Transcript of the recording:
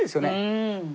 うん。